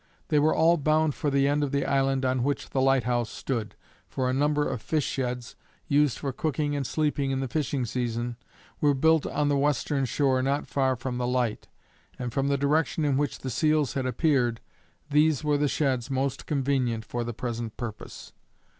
They were all bound for the end of the island on which the lighthouse stood, for a number of fish sheds, used for cooking and sleeping in the fishing season, were built on the western shore not far from the light; and from the direction in which the seals had appeared, these were the sheds most convenient for the present purpose.